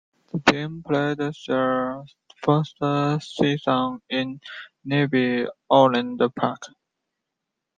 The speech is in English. The team played their first season in nearby Overland Park.